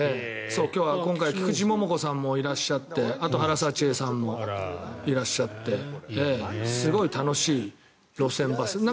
今回、菊池桃子さんもいらっしゃってあと原沙知絵さんもいらっしゃってすごい楽しい路線バス。